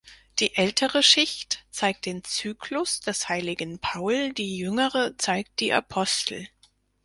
Die ältere Schicht zeigt den Zyklus des Heiligen Paul, die jüngere zeigt die Apostel.